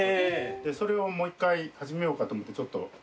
それをもう一回始めようかと思ってちょっとテストを。